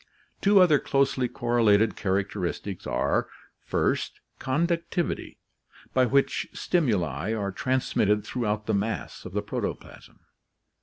Two other closely correlated characteristics are, first, conductivity, by which stimuli are transmitted throughout the mass of the pro toplasm.